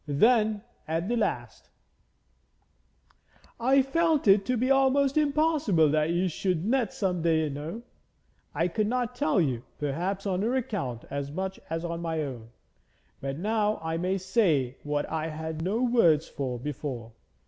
Then at the last: 'I felt it to be almost impossible that you should net some day know. I could not tell you, perhaps on her account as much as on my own. But now I may say what I had no words for before.